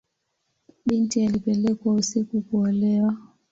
Binti alipelekwa usiku kuolewa.